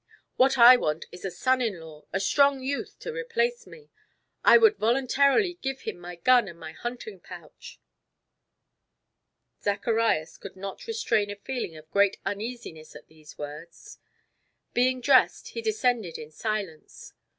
What I want is a son in law, a strong youth to replace me; I would voluntarily give him my gun and my hunting pouch." Zacharias could not restrain a feeling of great uneasiness at these words. Being dressed, he descended in silence.